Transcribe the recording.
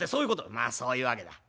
「まあそういうわけだ」。